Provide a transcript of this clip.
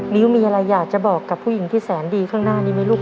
มิ้วมีอะไรอยากจะบอกกับผู้หญิงที่แสนดีข้างหน้านี้ไหมลูก